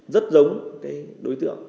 rất giống cái đối tượng